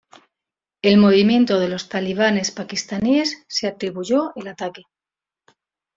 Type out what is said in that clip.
El Movimiento de los Talibanes Pakistaníes se atribuyó el ataque.